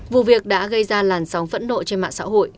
vụ việc đã gây ra làn sóng phẫn nộ trên mạng xã hội